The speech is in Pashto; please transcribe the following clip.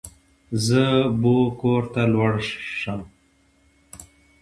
زه بو کور ته لوړ شم.